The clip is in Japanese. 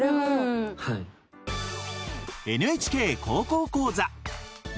「ＮＨＫ高校講座」。